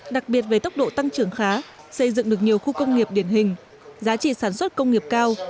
đặc biệt về tốc độ tăng trưởng khá xây dựng được nhiều khu công nghiệp điển hình giá trị sản xuất công nghiệp cao